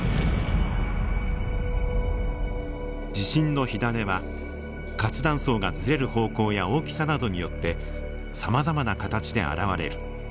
地震の火種は活断層がずれる方向や大きさなどによってさまざまな形で現れる。